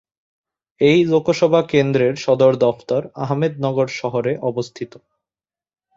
এই লোকসভা কেন্দ্রের সদর দফতর আহমেদনগর শহরে অবস্থিত।